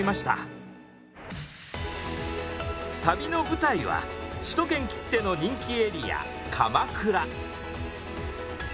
旅の舞台は首都圏きっての人気エリア鎌倉。